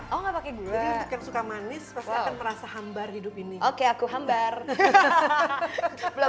oh enggak pakai gula yang suka manis pasti akan merasa hambar hidup ini oke aku hambar belum